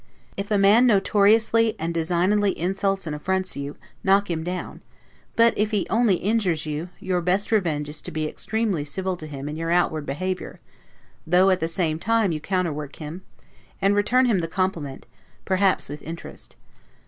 If a man notoriously and designedly insults and affronts you, knock him down; but if he only injures you, your best revenge is to be extremely civil to him in your outward behavior, though at the same time you counterwork him, and return him the compliment, perhaps with interest.